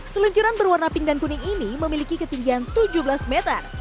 seluncuran berwarna pink dan kuning ini memiliki ketinggian tujuh belas meter